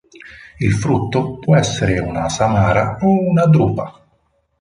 Il frutto può essere una samara o una drupa.